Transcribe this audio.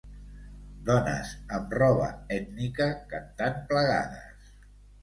Dones amb roba ètnica cantant plegades.